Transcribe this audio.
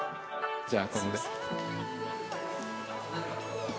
じゃあここで。